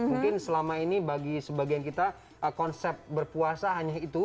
mungkin selama ini bagi sebagian kita konsep berpuasa hanya itu